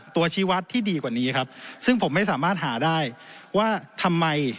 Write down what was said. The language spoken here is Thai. ชีวัตรที่ดีกว่านี้ครับซึ่งผมไม่สามารถหาได้ว่าทำไม